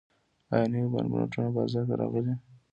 آیا نوي بانکنوټونه بازار ته راغلي؟